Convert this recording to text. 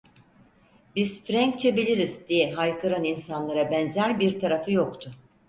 "Biz Frenkçe biliriz!" diye haykıran insanlara benzer bir tarafı yoktu.